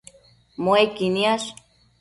Muequi niash